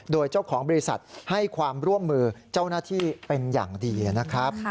โดยเจ้าของบริษัทให้ความร่วมมือเจ้าหน้าที่เป็นอย่างดีนะครับ